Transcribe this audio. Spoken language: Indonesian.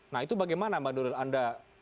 nah itu bagaimana mbak nuril anda